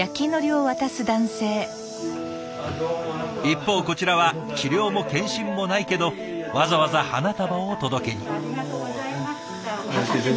一方こちらは治療も検診もないけどわざわざ花束を届けに。